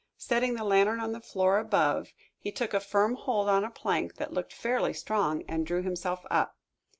Setting the lantern on the floor above, he took a firm hold on a plank that looked fairly strong, and drew himself up.